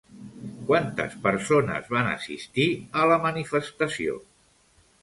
Quantes persones van assistir a la manifestació?